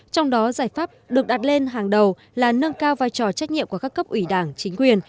trong đó giải pháp được đặt lên hàng đầu là nâng cao vai trò trách nhiệm của các cấp ủy đảng chính quyền